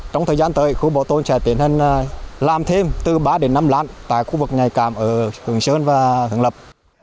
trong thời gian tới khu bảo tồn sẽ tiến hành làm thêm từ ba đến năm lán tại khu vực nhạy cảm ở hường sơn và hường lập